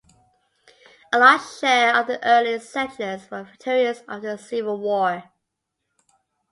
A large share of the early settlers were veterans of the Civil War.